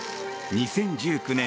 ２０１９年